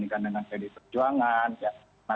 diwajarkan karena aneh juga bukan aneh